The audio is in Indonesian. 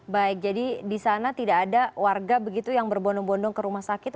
baik jadi di sana tidak ada warga begitu yang berbondong bondong ke rumah sakit